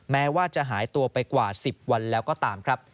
แม้ว่าจะหายตัวไปกว่า๑๐วันแล้วก็ตามครับ